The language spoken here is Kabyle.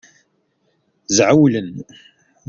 Zɛewlen.